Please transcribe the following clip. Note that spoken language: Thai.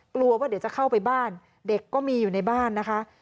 กลัวว่าเดี๋ยวจะเข้าไปบ้านเด็กก็มีอยู่ในบ้านนะคะ